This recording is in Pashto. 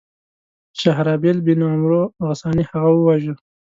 شهرابیل بن عمرو غساني هغه وواژه.